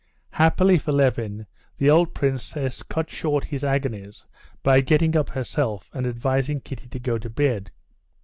Happily for Levin, the old princess cut short his agonies by getting up herself and advising Kitty to go to bed.